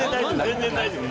全然大丈夫。